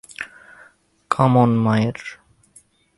কাম on মায়ের।